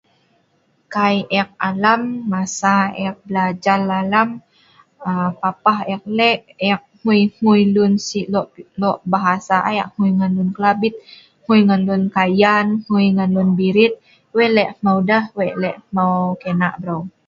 Kai ek alam, masa(parab) ek belajar alam, papah ek wei lek, ek hgui-hgui ngan lok bahasa(hmeu).ek hgui ngan lun kelabit, hgui ngan kayan, ngan birit ngan kina' breu